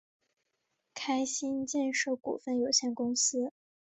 开心建设股份有限公司